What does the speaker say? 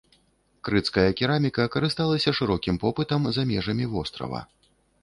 Крыцкая кераміка карысталася шырокім попытам за межамі вострава.